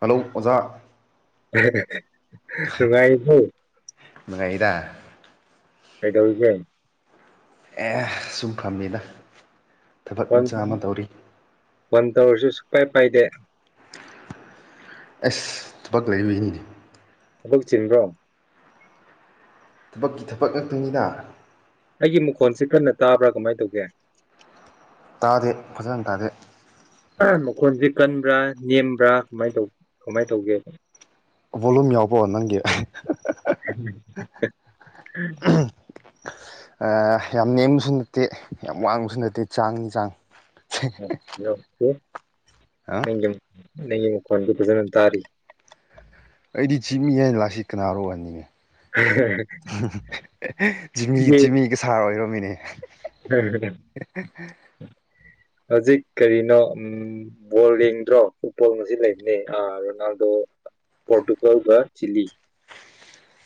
Hello ꯑꯣꯖꯥ ꯅꯨꯡꯉꯥꯏ ꯔꯤꯕꫭ ꯗ ꯀꯩꯗꯧꯔꯤꯒꯦ ꯑꯦ ꯁꯨꯝ ꯐꯝꯃꯤꯗ ꯊꯕꯛ ꯐꯣꯟ ꯃꯆꯥ ꯑꯃ ꯇꯧꯔꯤ ꯐꯣꯟ ꯇꯧꯔꯁꯨ ꯁꯨꯄꯥꯏ ꯐꯥꯏꯗꯦ ꯑꯁ ꯊꯕꯛ ꯂꯩꯏꯕꯩꯅꯤꯅꯦ ꯊꯕꯛ ꯆꯤꯟꯕ꯭ꯔꯣ ꯊꯕꯛꯀꯤ ꯊꯕꯛ ꯉꯥꯛꯇꯅꯤꯗ ꯑꯩꯒꯤ ꯃꯈꯣꯟꯁꯤ ꯀꯟꯅ ꯇꯥꯕ꯭ꯔꯥ ꯀꯃꯥꯏꯅ ꯇꯧꯒꯦ ꯇꯥꯗꯦ ꯐꯖꯅ ꯇꯥꯗꯦ ꯑ ꯃꯈꯣꯟꯁꯦ ꯀꯟꯕ꯭ꯔꯥ ꯅꯦꯝꯕ꯭ꯔꯥ ꯀꯃꯥꯏꯅ ꯇ ꯀꯃꯥꯏꯅ ꯇꯧꯒꯦꯕ ꯚꯣꯂꯨꯝ ꯌꯥꯎꯕꯣ ꯅꯪꯒꯤ ꯎ ꯎꯝ ꯑ ꯌꯥꯝ ꯅꯦꯝꯕꯁꯨ ꯅꯠꯇꯦ ꯌꯥꯝ ꯋꯥꯡꯕꯁꯨ ꯅꯠꯇꯦ ꯆꯥꯡꯅꯤ ꯆꯥꯡ [inaudible] ꯑ ꯅꯪꯒꯤ ꯃꯈꯣꯟꯗꯤ ꯐꯖꯅ ꯇꯥꯔꯤ ꯑꯩꯗꯤ ꯖꯤꯞꯃꯤ ꯂꯥꯛꯁꯤ ꯀꯅꯥꯔꯣ ꯑꯣꯏꯍꯟꯅꯤꯡꯅꯦ ꯖꯤꯃꯤ ꯖꯤꯃꯤꯒ ꯁꯥꯔ ꯑꯣꯏꯔꯣ ꯃꯤꯅꯦ ꯎꯝ ꯎꯝ ꯍꯧꯖꯤꯛ ꯀꯔꯤꯅꯣ ꯎꯝ ꯕꯣꯜ ꯌꯦꯡꯗ꯭ꯔꯣ ꯐꯨꯠꯕꯣꯜ ꯉꯁꯤ ꯂꯩꯕꯅꯦ ꯑ ꯔꯣꯅꯥꯜꯗꯣ ꯑ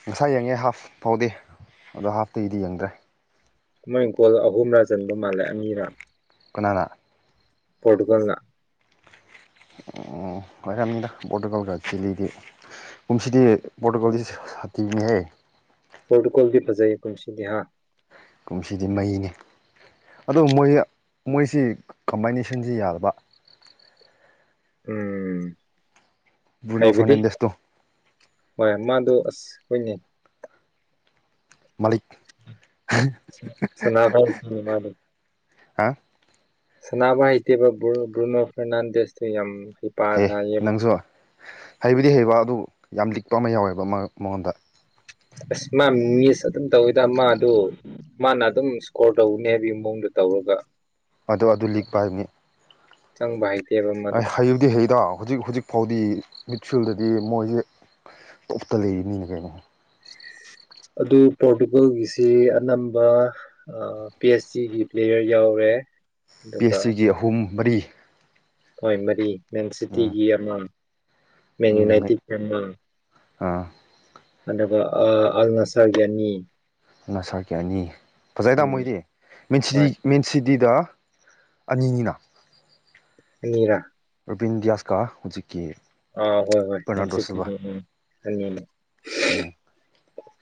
ꯉꯁꯥꯏ ꯌꯦꯡꯉꯦ ꯍꯥꯐ ꯐꯥꯎꯗꯤ ꯑꯗꯣ ꯍꯥꯐꯇꯒꯤꯗꯤ ꯌꯦꯡꯗ꯭ꯔꯦ ꯃꯣꯏ ꯒꯣꯜ ꯑꯍꯨꯝꯂꯥ ꯆꯟꯕ ꯃꯥꯜꯂꯦ ꯑꯅꯤꯔ ꯀꯅꯥꯅ ꯄꯣꯔꯇꯨꯒꯜ ꯅ ꯎꯝꯝ ꯑꯣꯏꯔꯝꯃꯤꯗ ꯄꯣꯔꯇꯨꯒꯥꯜꯒ ꯆꯤꯜꯂꯤꯗꯤ ꯀꯨꯝꯁꯤꯗꯤ ꯄꯣꯔꯇꯨꯒꯥꯜꯗꯤ ꯁꯥꯇꯤꯅꯤꯍ ꯄꯣꯔꯇꯨꯒꯥꯜꯒꯤ ꯐꯖꯥꯏ ꯄꯨꯟꯁꯤꯗꯍꯥ ꯀꯨꯝꯁꯤꯗꯤ ꯃꯩꯅꯤ ꯑꯗꯨ ꯃꯣꯏ ꯃꯣꯏꯁꯤ ꯀꯝꯕꯥꯏꯅꯦꯁꯟꯁꯤ ꯌꯥꯗꯕ ꯎꯝ ꯕ꯭ꯔꯨꯅꯣ ꯍꯥꯏꯕꯗꯤ ꯐꯔꯅꯥꯟꯗꯦꯁꯇꯣ ꯍꯣꯏ ꯃꯥꯗꯣ ꯑꯁ ꯍꯣꯏꯅꯦ ꯃꯥꯂꯤꯛ ꯁꯅꯥ ꯐ ꯃꯥꯅꯤ ꯍꯥ ꯁꯅꯥꯕ ꯍꯥꯏꯇꯦꯕ ꯕ꯭ꯔꯨꯅꯣ ꯐꯔꯅꯥꯟꯗꯦꯁꯇꯤ ꯌꯥꯝ ꯍꯩꯄ ꯁꯥꯌꯦꯕ ꯍꯩꯕꯗꯤ ꯍꯩꯕ ꯑꯗꯨ ꯌꯥꯝ ꯂꯤꯛꯄ ꯑꯃ ꯌꯥꯎꯋꯦꯕ ꯃꯉꯣꯟꯗ ꯑꯁ ꯃꯥ ꯃꯤꯁ ꯑꯗꯨꯝ ꯇꯧꯋꯤꯗ ꯃꯥꯗꯨ ꯃꯥꯅ ꯑꯗꯨꯝ ꯏꯁꯀꯣꯔ ꯇꯧꯅꯤ ꯍꯥꯏꯕꯒꯤ ꯃꯑꯣꯡꯗ ꯇꯧꯔꯒ ꯑꯗꯨ ꯑꯗꯨ ꯂꯤꯛꯄ ꯍꯥꯏꯕꯅꯤ ꯆꯪꯕ ꯍꯥꯏ ꯑ ꯍꯩꯕꯨꯗꯤ ꯍꯩꯗ ꯍꯧꯖꯤꯛ ꯍꯧꯖꯤꯛ ꯐꯥꯎꯗꯤ ꯃꯤꯠꯁꯤꯜꯗꯗꯤ ꯃꯣꯏꯁꯦ ꯇꯣꯞꯇ ꯂꯩꯔꯤ ꯃꯤꯅꯦ ꯀꯩꯅꯣ ꯑꯗꯨ ꯄꯣꯔꯇꯨꯒꯜꯒꯤꯁꯤ ꯑꯅꯝꯕ ꯑ ꯄꯤ ꯑꯩꯆ ꯗꯤꯒꯤ ꯄ꯭ꯂꯦꯌꯔ ꯌꯥꯎꯔꯦ ꯑꯗꯨꯒ ꯄꯦꯁꯤꯒꯤ ꯑꯍꯨꯝ ꯃꯔꯤ ꯍꯣꯏ ꯃꯔꯤ ꯃꯦꯟ ꯎꯝ ꯁꯤꯇꯤꯒꯤ ꯑꯃꯝ ꯃꯦꯟ ꯎꯝ ꯌꯨꯅꯥꯏꯇꯦꯠ ꯑꯃ ꯑꯥ ꯑꯗꯕ ꯑꯜꯅꯥ ꯁꯥꯎꯖꯥꯅꯤ ꯃꯁꯥꯒꯤ ꯑꯅꯤ ꯐꯖꯅꯥ ꯅꯝꯃꯣꯗꯤ ꯍꯣꯏ ꯃꯦꯟꯁꯤꯇꯤꯗ ꯑꯅꯤꯅꯤꯅ ꯑꯅꯤꯔꯥ ꯕꯤꯟꯗꯤꯌꯥꯁ ꯀꯥ ꯍꯧꯖꯤꯛ ꯑꯥ ꯍꯣꯏ ꯍꯣꯏ ꯅꯨꯡꯁꯤꯠꯇ ꯎꯝ ꯑꯅꯤꯅꯤ ꯎꯝ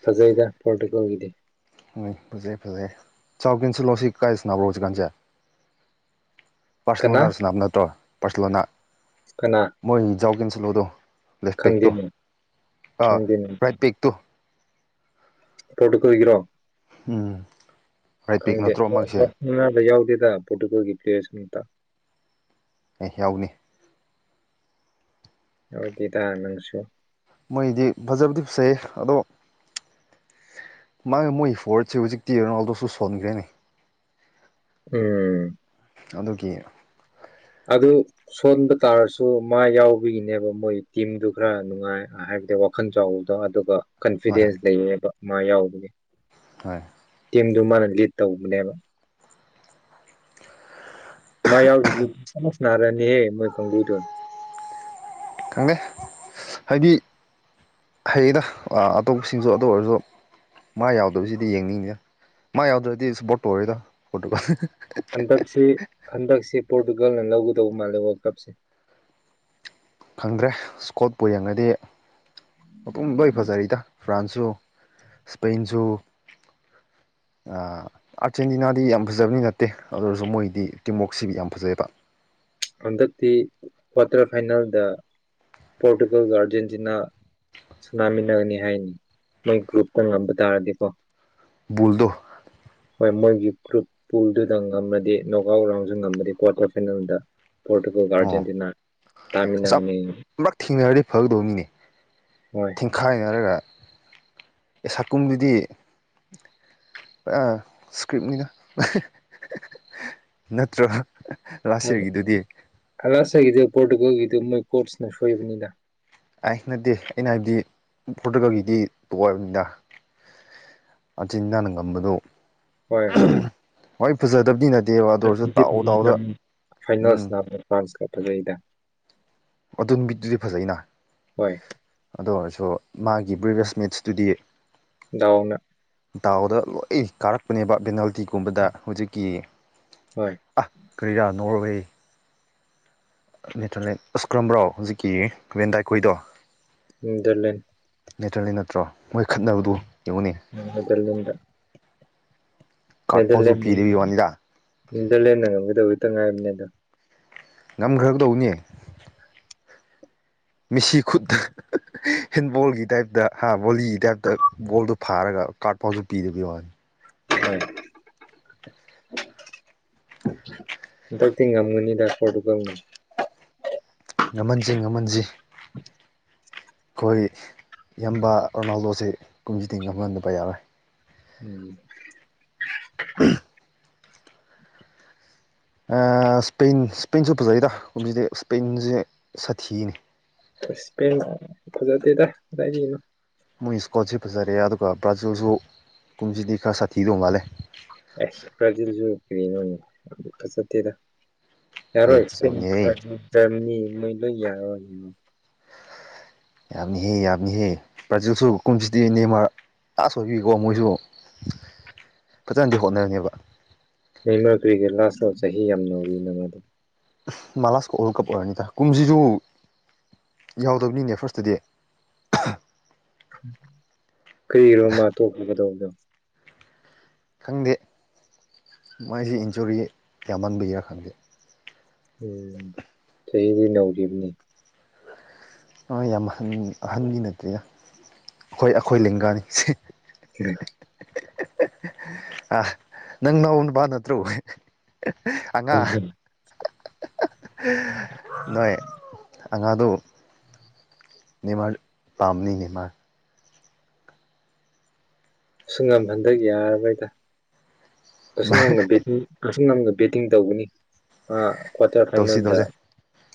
ꯐꯖꯩꯗ ꯀꯣꯡꯒꯤꯗꯤ ꯎ ꯐꯖꯩ ꯐꯖꯩ ꯆꯥꯎꯀꯦꯟꯁꯤꯜꯂꯣ ꯁꯤ ꯀꯥꯏꯁꯤ ꯅꯥꯕ꯭ꯔꯣ ꯍꯧꯖꯤꯛꯀꯥꯟꯁꯦ ꯀꯅꯥ ꯄꯔꯁꯂꯣꯅꯥ ꯁꯥꯅꯕꯥ ꯅꯠꯇꯔꯣ ꯄꯔꯁꯂꯣꯅꯥ ꯀꯅꯥ ꯃꯣꯏ ꯖꯥꯎ ꯒꯤ ꯆꯂꯣꯗꯣ ꯂꯦꯐ ꯄꯦꯛ ꯇꯣ ꯈꯪꯗꯦꯅꯦ ꯑ ꯈꯪꯗꯦꯅꯦ ꯔꯥꯏꯠ ꯄꯦꯛ ꯇꯣ ꯇꯣꯠ ꯀꯣꯏ ꯒꯤꯔ꯭ ꯎꯝ ꯔꯥꯏꯠ ꯕꯦꯛ ꯅꯠꯇ꯭ꯔꯣ ꯃꯥꯒꯤꯁꯦ ꯈꯪꯗꯦ ꯌꯥꯎꯗꯦ ꯗ ꯄꯣꯔꯇꯨꯒꯜꯒꯤ ꯄ꯭ꯂꯦꯌꯔꯁ ꯃꯠꯇ ꯑꯩ ꯌꯥꯎꯅꯤ ꯑꯗꯨꯗ ꯅꯪꯁꯨ ꯃꯣꯏꯗꯤ ꯐꯖꯕꯗꯤ ꯐꯖꯩ ꯑꯗꯣ ꯃꯥꯒꯤ ꯃꯣꯏꯒꯤ ꯐꯣꯔꯠꯁꯦ ꯍꯧꯖꯤꯛꯇꯤ ꯔꯣꯅꯥꯜꯗꯣꯁꯨ ꯁꯣꯟꯈ꯭ꯔꯦꯅꯦ ꯎꯝ ꯑꯗꯨꯒꯤ ꯑꯗꯨ ꯁꯣꯟꯕ ꯇꯥꯔꯁꯨ ꯃꯥ ꯌꯥꯎꯕꯒꯤꯅꯦꯕ ꯃꯣꯏ ꯇꯤꯝꯗꯨ ꯈꯔ ꯅꯨꯡꯉꯥꯏ ꯍꯥꯏꯕꯗꯨ ꯋꯥꯈꯜ ꯆꯥꯎꯕꯗꯣ ꯑꯗꯨꯒ ꯍꯣꯏ ꯀꯟꯐꯤꯗꯦꯟꯁ ꯂꯩꯌꯦꯕ ꯃꯥ ꯌꯥꯎꯕꯒꯤ ꯍꯣꯏ ꯇꯤꯝꯗꯨ ꯃꯥꯅ ꯂꯤꯠ ꯇꯧꯕꯅꯦꯕ ꯃꯥꯏ ꯌꯥꯎꯗꯔ꯭ꯗꯤ ꯑꯃꯨꯛ ꯁꯅꯔꯅꯤ ꯃꯣꯏ ꯀꯪꯕꯨꯗꯣ ꯈꯪꯗꯦ ꯍꯥꯏꯗꯤ ꯍꯩꯌꯦꯗ ꯑꯇꯣꯞꯄꯁꯤꯡꯁꯨ ꯑꯗꯨ ꯑꯣꯏꯔꯁꯨ ꯃꯥ ꯌꯥꯎꯗꯕꯁꯤꯗꯤ ꯌꯦꯡꯅꯤꯡꯗꯦ ꯃꯥ ꯌꯥꯎꯗ꯭ꯔꯗꯤ ꯁꯄꯣꯔꯠ ꯇꯧꯔꯣꯏꯗ ꯐꯣꯇꯣ ꯍꯟꯗꯛꯁꯤ ꯍꯟꯗꯛꯁꯤ ꯄꯣ ꯐꯨꯠꯒꯜꯅ ꯂꯧꯒꯗꯧꯕ ꯃꯥꯜꯂꯦ ꯋꯥꯔꯜ ꯀꯞꯁꯦ ꯈꯪꯗ꯭ꯔꯦ ꯏꯁꯀꯣꯠꯄꯨ ꯌꯦꯡꯉꯗꯤ ꯃꯄꯨꯡ ꯂꯩ ꯐꯖꯔꯤꯗ ꯐ꯭ꯔꯥꯟꯁꯁꯨ ꯏꯁꯄꯦꯟꯁꯨ ꯑꯥꯔꯖꯦꯟꯇꯤꯅꯥꯗꯤ ꯌꯥꯝ ꯐꯖꯕꯅꯤ ꯅꯠꯇꯦ ꯑꯗꯨ ꯑꯣꯏꯔꯁꯨ ꯃꯣꯏꯗꯤ ꯇꯤꯃꯣꯛꯁꯤ ꯌꯥꯝ ꯐꯖꯩꯑꯕ ꯍꯟꯗꯛꯇꯤ ꯀ꯭ꯋꯥꯇꯔ ꯐꯥꯏꯅꯦꯜꯗ ꯄꯣꯔꯇꯨꯒꯜꯒ ꯑꯥꯔꯖꯦꯟꯇꯤꯅꯥ ꯁꯨꯅꯥꯃꯤꯟꯅꯔꯥꯅꯤ ꯍꯥꯏꯅꯤ ꯃꯣꯏ ꯒ꯭ꯔꯨꯞꯇ ꯉꯝꯕ ꯇꯥꯔꯗꯤꯀꯣ ꯕꯨꯜꯗꯣ ꯍꯣꯏ ꯃꯣꯏꯒꯤ ꯒ꯭ꯔꯨꯞ ꯄꯨꯜꯗꯨꯗ ꯉꯝꯃꯗꯤ ꯅꯣꯒꯥꯎꯠ ꯔꯥꯎꯟꯁꯨ ꯉꯝꯃꯗꯤ ꯀ꯭ꯋꯥꯔꯇꯔ ꯐꯥꯏꯅꯦꯜꯗ ꯄꯣꯔꯇꯨꯒꯜꯒ ꯑꯣ ꯑꯥꯔꯖꯦꯟꯇꯤꯅꯥ ꯑꯁ ꯇꯥꯃꯤꯟꯅꯒꯅꯤ ꯑꯃ ꯊꯦꯡꯅꯔꯗꯤ ꯐꯒꯗꯧꯅꯤꯅꯦ ꯍꯣꯏ ꯊꯤꯡꯈꯥꯏꯅꯔꯒ ꯁꯥꯒꯨꯝꯗꯨꯗꯤ ꯏꯁ꯭ꯀ꯭ꯔꯤꯞꯅꯤꯗ ꯅꯠꯇ꯭ꯔꯣ ꯂꯥꯁ [unintelligible] ꯌꯔꯒꯤꯗꯨꯗꯤ ꯄꫭꫪꯇꯨꯜꯒꯤꯗꯨꯃꯛ꯫ ꯀꫭꯆꯅ ꯁꯣꯏꯕꯅꯤꯗ꯫ ꯑꯩ ꯅꯠꯇꯦ ꯑꯩꯅ ꯍꯥꯏꯕꯗꯤ ꯄꯣꫪꯇꯨꯒꯜꯒꯤꯗꯤ ꯄꫭꯔꯅꯤꯗ [unintelligible] ꯅꯪꯅ ꯉꯝꯕꯗꯨ꯫ ꯍꯣꯏ ꯍꯣꯏ ꯅꯠꯇꯦꯕ ꯑꯗꯨ ꯑꯣꯏꯔꯁꯨ ꯗꯥꯎ ꯗꯥꯎꯗ ꯐꯥꯏꯜꯁ ꯐ꯭ꯔꯥꯟꯁ ꯐꯖꯩꯗ ꯑꯗꯨꯅꯨꯕꯤꯗꯨꯗꯤ ꯐꯖꯩꯅ ꯍꯣꯏ ꯑꯗꯨ ꯑꯣꯏꯔꯁꯨ꯫ ꯃꯥꯒꯤ ꯕ꯭ꯔꯦꯕꯦꯁꯃꯦꯠꯁꯇꯨꯗꯤ꯫ ꯗꯥꯎꯅ꯫ ꯗꯥꯎꯗ ꯂꯣꯏ ꯀꯥꯔꯛꯄꯅꯦꯕ ꯕꯦꯅꯥꯜ꯫ ꯇꯤꯒꯨꯝꯕꯗ ꯍꯨꯖꯤꯛꯀꯤ꯫ ꯍꯣꯏ꯫ ꯀ꯭ꯔꯤꯗꯥꯥ ꯅꯣꯔꯋꯦ꯫ ꯅꯦꯇ꯭ꯔꯦꯠ ꯑꯁꯀ꯭ꯔꯝꯕ꯭ꯔꯣ ꯍꯨꯖꯤꯛꯀꯤ ꯕꯦꯟ ꯗꯥꯏꯈꯣꯏꯗꯣ꯫ ꯅꯦꯗꫪꯂꯦꯟꯂꯦꯟ ꯅꯦꯗꫪꯂꯦꯟ ꯅꯠꯇ꯭ꯔꯣ ꯃꯣꯏ ꯈꯠꯅꯕꯗꯨ ꯌꯦꯡꯉꯨꯅꯦ꯫ ꯀꯥꯔꯠ ꯐꯥꯎꯁꯨ ꯅꯦꯗꫪꯂꯦꯟ ꯄꯤꯗꯕꯒꯤ ꯋꯥꯅꯤꯗ ꯅꯦꯗꫪꯂꯦꯟꯅ ꯉꯝꯒꯗꯕꯗꯨ꯫ ꯇꯉꯥꯏꯕꯅꯦ ꯑꯗꯣ꯫ ꯉꯝꯈ꯭ꯔ ꯗꯧꯅꯦ ꯃꯤꯁꯤ ꯈꯨꯠꯇ ꯍꯦꯟꯕꯣꯜꯒꯤ ꯇꯥꯏꯞꯇ ꯍꯥ ꯕꯣꯂꯤꯒꯤ ꯇꯥꯏꯞꯇ ꯕꯣꯜꯗꯨ ꯐꯥꯔꯒ ꯀꯥꫪꯠ ꯄꯥꯎꯁꯨ ꯄꯤꯗꯕꯤ ꯋꯥꯅꯤ꯫ [unintelligible] ꯍꯟꯇꯛꯗꯤ ꯉꯝꯒꯅꯤꯗ ꯄꫭꫪꯇꯨꯒꯜꯅ ꯉꯝꯍꯟꯁꯤ ꯉꯝꯍꯟꯁꯤ꯫ ꯑꯩꯈꯣꯏ ꯌꯕꯥ ꯔꯣꯅꯥꯜꯗꯣꯁꯦ ꯀꯨꯝꯖꯤꯗꯤ ꯉꯝꯍꯟꯗꯕ ꯌꯥꯔꯣꯏ꯫ [unintelligible] ꯑꯥ ꯏꯁꯄꯦꯟ ꯏꯁꯄꯦꯟꯁꯨ ꯐꯖꯩꯗ ꯏꯁꯄꯦꯟꯁꯦ ꯁꯥꯊꯤꯅꯤ ꯏꯁꯄꯦꯟ ꯐꯖꯗꯦꯗ ꯀꯗꯥꯏꯗꯩꯅꯣ꯫ ꯃꯣꯏ ꯏꯁꯀꯣꫪꯁꯤ ꯐꯖꯔꯦ ꯑꯗꯨꯒ ꯕ꯭ꯔꯥꯖꯤꯜꯁꯨ ꯀꯨꯝꯁꯤꯗꯤ ꯈꯔ ꯁꯥꯊꯤꯗꯧ ꯃꯥꯥꯜꯂꯦ꯫ ꯑꯦ ꯕ꯭ꯔꯥꯖꯤꯜꯁꯨ ꯀꯔꯤꯅꫭꯅꯦ ꯐꯖꯗꯦꯗ ꯑꯩ ꯌꯥꯔꯣꯏ ꯏꯁꯄꯦ ꯐꯖꯕꯅꯤꯍꯦ [unintelligible] ꯅꫭꯏ ꯂꫭꯏ ꯌꯥꯔꯔꫭꯏ ꯑꯗꯨꯗꯤ꯫ ꯌꯥꯝꯃꯤꯍꯦ ꯌꯥꯝꯃꯤꯍꯦ ꯕ꯭ꯔꯖꯤꯛꯁꯨ ꯀꯨꯝꯁꯤꯗꯤ ꯅꯦꯝꯃꯥꫪ ꯑ ꯁꫭꯏꯒꯤꯀꯣ ꯃꯣꯏꯁꯨ ꯐꯖꯅꯗꯤ ꯍꯣꯠꯅꯔꯅꯦꯕ꯫ ꯅꯦꯃꫪ ꯀ꯭ꯔꯤꯒꯦ ꯂꯥꯁꯅꫭ ꯆꯍꯤ ꯌꯥꯝ ꯅꯧꯔꯤ ꯃꯥꯗꯣ ꯑꯁ ꯃꯥꯂꯥꯁ ꯋꯥꯔꯜ ꯀꯞ ꯑꯣꯏꯔꯅꯤꯗ ꯀꯨꯝꯁꯤꯁꯨ ꯌꯥꯎꯗꯕꯅꯤꯅꯦ ꯐꯥꫪꯁꯇꯗꯤ꯫ ꯀꯩꯔꯤꯒꯤꯔ ꯃꯥ ꯇꯣꯛꯄꯤꯒꯗꯧꯕꯗꯣ꯫ ꯈꯪꯗꯦ ꯃꯥꯏꯁꯤ ꯏꯟꯖꯨꯔꯤ ꯌꯥꯝꯃꯟꯕꯤꯒꯦꯔꯥ ꯈꯪꯗꯦ꯫ ꯎꯝ ꯆꯍꯤꯗꯤ ꯅꯧꯔꯤꯕꯅꯤ꯫ ꯌꯥꯝ ꯑꯍꯟ ꯑꯍꯟꯒꯤ ꯅꯠꯇꯦ ꯑꯩꯈꯣꯏ ꯑꯩꯈꯣꯏ ꯂꯦꯡꯒꯥꯅꯤ꯫ [unintelligible] ꯑ ꯅꯪ ꯅꯥꯎꯅꯨꯄꯥ ꯅꯠꯇ꯭ꯔꯣ꯫ ꯑꯉꯥꯡ꯫ ꯅꯣꯏ ꯑꯉꯥꯡꯗꯨ ꯅꯃꯥ ꯄꯥꯝꯅꯤꯅꯦꯃꯥ ꯑꯉꯝ ꯍꯟꯗꯛ ꯌꯥꯔꯣꯏꯗ ꯁꯨ ꯅꯪꯅ ꯑꯝ ꯅꯝꯅ ꯕꯦꯇꯤꯡ ꯇꯧꯕꯅꯤ ꯑ ꯀꯆꯔ ꯇꯧꯁꯤ ꯈꯥꯟꯅꯗ ꯇꯧꯁꯦ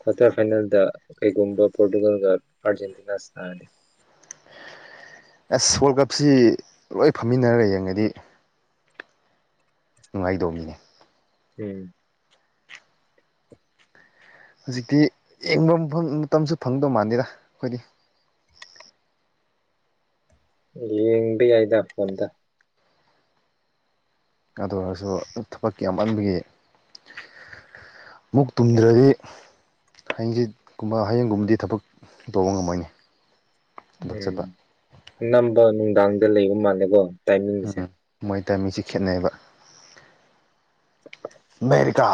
ꯀ꯭ꯋꯥꯇꯔ ꯐꯥꯏꯅꯦꯜꯗ ꯀꯩꯒꯨꯝꯕ ꯄꯣꯔꯇꯨꯒꯜꯒ ꯑꯥꯔꯖꯦꯟꯇꯤꯅꯥ ꯁꯥꯒꯅꯤ ꯑꯁ ꯋꯥꯔꯜ ꯀꯞꯁꯤ ꯂꯣꯏ ꯐꯝꯃꯤꯟꯅꯔꯒꯦ ꯌꯦꯡꯉꯗꯤ ꯅꯨꯡꯉꯥꯏꯗꯧ ꯃꯤꯅꯦ ꯎꯝ ꯍꯧꯖꯤꯛꯇꯤ ꯌꯦꯡꯕ ꯃꯐꯝ ꯃꯇꯝꯁꯨ ꯐꯪꯗꯧ ꯃꯥꯟꯗꯦꯔ ꯑꯩꯈꯣꯏꯗꯤ ꯌꯦꯡꯕ ꯌꯥꯏꯗ ꯐꯣꯟꯗ ꯑꯗꯨ ꯑꯣꯏꯔꯁꯨ ꯊꯕꯛꯀꯤ ꯌꯥꯝ ꯑꯣꯟꯕꯒꯤ ꯃꯨꯛ ꯇꯨꯝꯗ꯭ꯔꯗꯤ ꯍꯡꯁꯤꯠꯀꯨꯝꯕ ꯍꯌꯦꯡꯒꯨꯝꯕꯗꯤ ꯊꯕꯛ ꯇꯧꯕ ꯉꯝꯃꯣꯏꯅꯤ ꯎꯝ ꯅꯝꯕ ꯥꯡꯗ ꯂꯩꯕ ꯃꯥꯜꯂꯦꯀꯣ ꯇꯥꯏꯃꯤꯡꯁꯦ ꯃꯤꯁꯦ ꯈꯦꯠꯅꯩꯌꯦꯕ [inaudible] ꯑꯃꯃꯦꯦꯔꯤꯀꯥ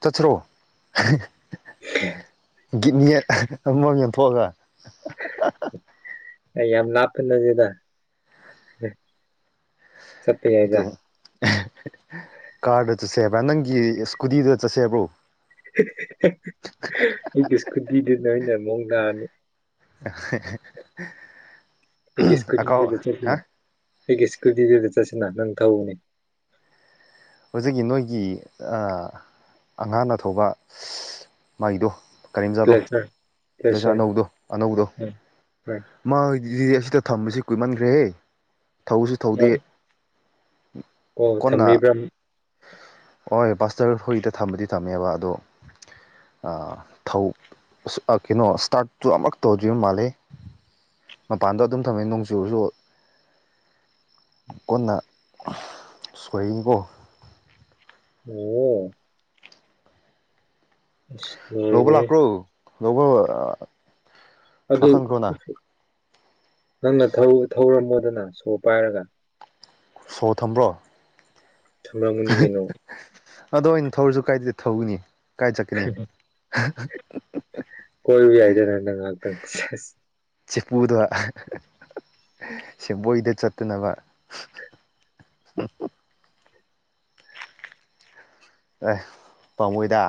ꯆꯠꯊ꯭ꯔꯣ [inaudible] ꯒꯤꯠꯅꯦ ꯑꯃꯃꯝ ꯌꯦꯟꯊꯣꯛꯑꯒ [inaudible] ꯌꯥꯝ ꯂꯅꯥꯄꯅꯖꯤꯦꯗ ꯆꯠꯇ ꯌꯥꯏꯖ ꯑꯗꯨ ꯀꯥꯔꯗ ꯆꯠꯁꯦ ꯍꯥꯏꯕ꯭ꯔꯥ ꯅꯪꯒꯤ ꯏꯁꯀꯨꯇꯤꯗꯨꯗ ꯆꯠꯁꯦ ꯍꯥꯏꯕ꯭ꯔꯣ ꯅꯣꯏꯅꯦ ꯃꯗꯅꯤ ꯑ ꯑꯩꯒꯤꯁꯀꯨꯗ ꯆꯠꯣ ꯄꯒꯦꯁꯀꯨꯗꯤꯗꯦ ꯆꯁꯤꯦꯅ ꯅꯪꯊꯧꯥꯎꯅꯤ ꯍꯧꯖꯤꯛꯀꯤ ꯅꯣꯏꯒꯤ ꯑꯉꯥꯡꯅ ꯊꯧꯕ ꯃꯥꯒꯤꯗꯣ ꯀꯔꯤꯝꯆꯥꯥꯗꯣ ꯄ꯭ꯂꯦꯁꯔ ꯂꯩꯁꯔ ꯄ꯭ꯂꯦꯁꯔ ꯑꯅꯧꯗꯣ ꯑꯅꯧꯕꯗꯣ ꯎꯝ ꯍꯣꯏ ꯃꯥ ꯍꯣꯏꯗꯤ ꯑ ꯁꯤꯗ ꯊꯝꯕꯁꯤ ꯀꯨꯏꯃꯟꯈ꯭ꯔꯦꯍꯦ ꯊꯧꯁꯨ ꯊꯧꯗꯦ ꯀꯣ ꯀꯣꯟꯅ ꯊꯝꯃꯤꯕ꯭ꯔꯝ ꯍꯣꯏ ꯕꯥꯁꯇ꯭ꯔ ꯍꯨꯏꯗ ꯊꯝꯕꯗꯤ ꯊꯝꯃꯦꯕ ꯑꯗꯣ ꯑ ꯊꯧ ꯑꯁ ꯑ ꯀꯩꯅꯣ ꯏꯁꯇꯥꯔꯠꯇꯨ ꯑꯃꯨꯔꯛ ꯇꯧꯗ꯭ꯔꯤꯕ ꯃꯥꯜꯂꯦ ꯃꯄꯥꯟꯗ ꯑꯗꯨꯝ ꯊꯝꯃꯦ ꯅꯣꯡꯖꯨꯔꯁꯨ ꯀꯣꯟꯅ ꯁꯣꯏꯈꯤꯅꯤꯀꯣ ꯑꯣ ꯑꯁ ꯂꯧꯕ ꯂꯣꯏꯔꯦ ꯂꯥꯛꯄ꯭ꯔꯣ ꯂꯧꯕ ꯑꯗꯨ ꯂꯥꯛꯍꯟꯈ꯭ꯔꯣꯅ ꯅꯪꯅ ꯊꯧꯔꯝꯃꯣꯗꯅ ꯁꯣ ꯄꯥꯏꯔꯒ ꯁꯣ ꯊꯝꯕ꯭ꯔꯣ ꯊꯝꯔꯝꯒꯅꯤ ꯀꯩꯅꯣ [inaudible] ꯑꯗꯣ ꯑꯩꯅ ꯊꯧꯔꯁꯨ ꯀꯥꯏꯗꯗꯤ ꯊꯧꯅꯤ꯫ ꯀꯥꯏ ꯆꯠꯀꯅꯤ ꯫ ꯀꯣꯏꯔꯨ ꯌꯥꯏꯗꯅꯗꯉꯥꯛꯇꯪ꯫ ꯁꯦꯡꯕꯣꯏꯗ ꯆꯠꯇꯅꯕ ꯑꯦ ꯄꯥꯃꯣꯏꯗ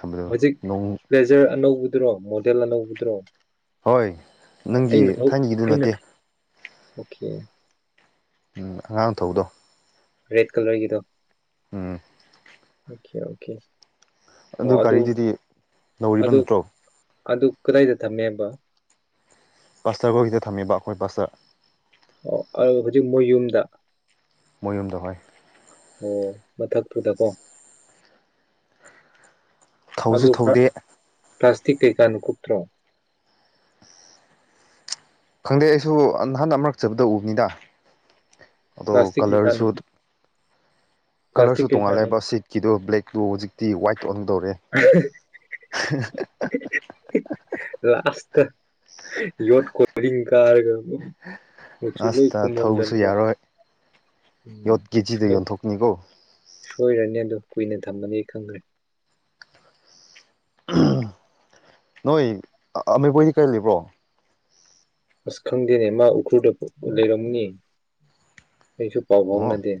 ꯊꯝꯕꯗꯣ ꯍꯧꯖꯤꯛ ꯅꯣꯡ ꯄ꯭ꯂꯦꯖꯔ ꯑꯅꯧꯕ ꯗꯨꯔꯣ ꯃꯣꯗꯦꯜ ꯑꯅꯧꯕꯗ꯭ꯔꯣ ꯍꯣꯏ ꯅꯪꯒꯤ ꯊꯥꯏꯅꯒꯤꯗꯨ ꯑꯩꯅ ꯅꯠꯇꯦ ꯑꯣꯀꯦ ꯎꯝ ꯑꯉꯥꯡ ꯊꯧꯕꯗꯣ꯫ ꯔꯦꯠ ꯀꯂꯔꯒꯤꯗꯣ ꯎꯝ ꯑꯣꯀꯦ ꯑꯣꯀꯦ ꯑꯗꯨ ꯒꯥꯔꯤꯗꯨꯗꯤ ꯅꯧꯔꯤꯕ ꯑꯗꯨ ꯅꯠꯇ꯭ꯔꯣ ꯑꯗꯨ ꯀꯗꯥꯏꯗ ꯊꯝꯃꯦꯕ꯫ ꯄꯥꯁꯇꯔ ꯈꯣꯏꯒꯤꯗ ꯊꯝꯃꯤꯕ ꯑꯩꯈꯣꯏ ꯄꯁꯇꯔ ꯑꯣ ꯍꯧꯖꯤꯛ ꯃꯣꯏ ꯌꯨꯝꯗ ꯃꯣꯏ ꯌꯨꯝꯗ ꯍꯣꯏ꯫ ꯑꯣ ꯃꯊꯛꯇꯨꯗꯀꯣ ꯊꯧꯁꯨ ꯑꯗꯨ ꯊꯧꯗꯦ ꯄ꯭ꯂꯥꯁꯇꯤꯛ ꯀꯩꯀꯥꯅ ꯀꯨꯞꯇ꯭ꯔꯣ ꯈꯪꯗꯦ ꯑꯩꯁꯨ ꯅꯍꯥꯟ ꯑꯃꯔꯛ ꯆꯠꯄꯗ ꯎꯕꯅꯤꯗ꯫ ꯑꯗꯣ ꯄ꯭ꯂꯥꯁꯇꯤꯛ ꯀꯩꯀꯥꯅ ꯀꯂꯔꯁꯨ ꯀꯂꯔꯁꯨ ꯄ꯭ꯂꯥꯁꯇꯤꯛ ꯀꯩꯀꯥꯅ ꯇꯣꯡꯉꯥꯜꯂꯦꯕ ꯁꯤꯠꯀꯤꯗꯣ ꯕ꯭ꯂꯦꯛ꯫ ꯗꯣ ꯍꯧꯖꯤꯛꯇꯤ ꯋꯥꯏꯠ ꯑꯣꯟꯒꯗꯧꯔꯦ ꯂꯥꯁꯇ ꯌꯣꯠ ꯀꯣꯂꯤꯡ꯫ ꯀꯥꯔꯒ ꯃꯆꯨ ꯑꯥꯁ ꯂꯣꯏ ꯇ ꯊꯧꯕꯁꯨ ꯀꯨꯝꯃꯝꯗꯅꯀꯣ ꯌꯥꯔꯣꯏ ꯎꯝ ꯌꯣꯠ ꯀꯦꯖꯤꯗ ꯁꯣꯏ ꯌꯣꯟꯊꯣꯛꯅꯤꯀꯣ ꯁꯣꯏꯔꯅꯤ ꯑꯗꯨ ꯀꯨꯏꯅ ꯊꯝꯃꯅꯤ ꯈꯪꯈ꯭ꯔꯦ ꯅꯣꯏ ꯑꯃꯕꯣꯏꯗꯤ ꯀꯥꯏ ꯂꯩꯕ꯭ꯔꯣ? ꯑꯁ ꯈꯪꯗꯦꯅꯦ ꯃꯥ ꯎꯈ꯭ꯔꯨꯗ ꯂꯩꯔꯝꯅꯤ ꯑꯩꯁꯨ ꯄꯥꯎ ꯑꯣ ꯐꯥꯎꯅꯗꯦ꯫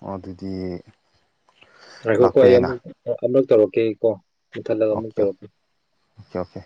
ꯑꯣ ꯑꯗꯨꯗꯤ ꯂꯥꯛꯄ ꯌꯥꯏꯅ ꯑꯃꯔꯛ ꯇꯧꯔꯛꯀꯦꯀꯣ ꯃꯨꯊꯠꯂꯒ ꯑꯃꯨꯛ ꯇꯧꯔꯛꯀꯦ ꯑꯣꯀꯦ-ꯑꯣꯀꯦ